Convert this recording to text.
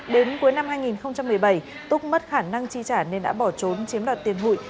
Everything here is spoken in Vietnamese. đến cuối năm hai nghìn một mươi bảy túc mất khả năng chi trả nên đã bỏ trốn chiếm đoạt tiền hụi